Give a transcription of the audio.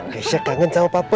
keisha kangen sama papa ya